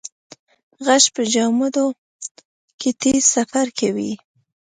غږ په جامدو کې تېز سفر کوي.